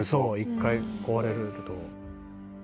一回壊れると」